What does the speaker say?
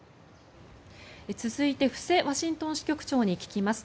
続いて布施ワシントン支局長に聞きます。